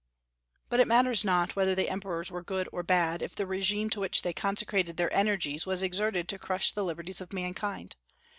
But it matters not whether the Emperors were good or bad, if the régime to which they consecrated their energies was exerted to crush the liberties of mankind.